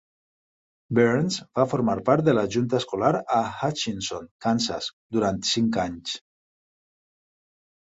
Burns va formar part de la junta escolar a Hutchinson, Kansas, durant cinc anys.